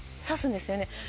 さすんですよね。